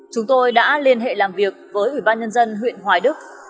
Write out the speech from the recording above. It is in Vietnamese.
chúng tôi đã liên hệ làm việc với ủy ban nhân dân huyện hoài đức